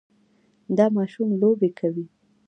دا ماشوم لوبې کوي.